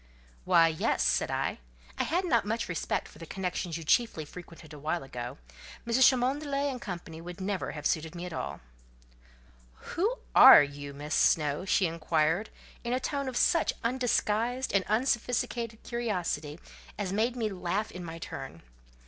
"Why, yes," said I; "I had not much respect for the connections you chiefly frequented awhile ago: Mrs. Cholmondeley and Co. would never have suited me at all." "Who are you, Miss Snowe?" she inquired, in a tone of such undisguised and unsophisticated curiosity, as made me laugh in my turn.